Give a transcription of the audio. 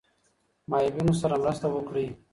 معیوبینو سره مرسته وکړئ.